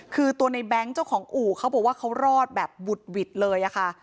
คือตัวในแบงค์เจ้าของอู่เขาบอกว่าเขารอดแบบบุดหวิดเลยอะค่ะ